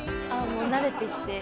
もう慣れてきて。